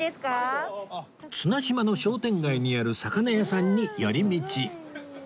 綱島の商店街にある魚屋さんに寄り道